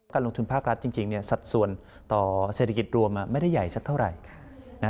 ลงทุนภาครัฐจริงสัดส่วนต่อเศรษฐกิจรวมไม่ได้ใหญ่สักเท่าไหร่